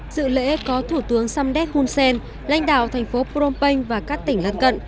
dự lễ có thủ tướng samdet hunsen lãnh đạo thành phố phnom penh và các tỉnh lân cận